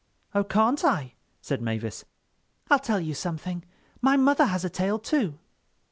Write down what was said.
_] "Oh, can't I," said Mavis. "I'll tell you something. My mother has a tail too."